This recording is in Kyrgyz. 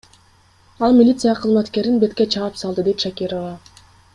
Ал милиция кызматкерин бетке чаап салды, — дейт Шакирова.